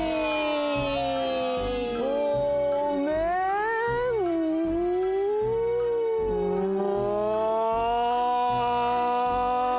ごめん。も。